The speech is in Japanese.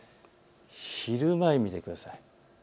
昼前見てください。